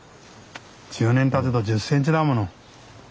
１０年たつと１０センチだもの。